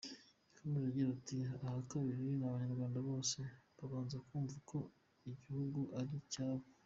Yakomeje agira ati “Aha kabiri, ni Abanyarwanda bose kubanza kumva ko igihugu ari icyabo.